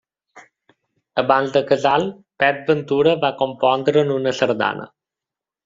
Abans de Casals, Pep Ventura va compondre'n una sardana.